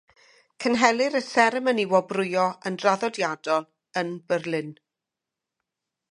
Cynhelir y seremoni wobrwyo yn draddodiadol yn Berlin.